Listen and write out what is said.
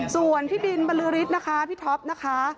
ส่วนพี่บิลบรรลือริสพี่ท็อปนะคะ